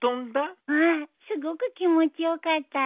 うんすごく気持ち良かったよ。